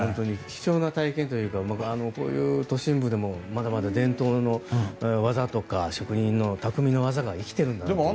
貴重な体験というか都市部でもまだまだ伝統の技とか職人のたくみの技が生きているんだなという。